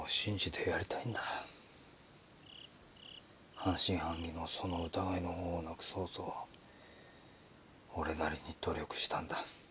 半信半疑のその疑いの方をなくそうと俺なりに努力したんだ。